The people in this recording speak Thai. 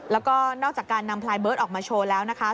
แล้วก็นอกจากการนำพลายเบิร์ตออกมาโชว์แล้วนะคะ